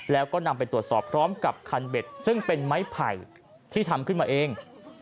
แล้วก็นำไปตรวจสอบพร้อมกับคันเบ็ดซึ่งเป็นไม้ไผ่ที่ทำขึ้นมาเอง